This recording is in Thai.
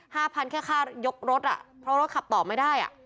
๕๐๐๐บาทแค่ค่ายกรถเพราะรถขับต่อไม่ได้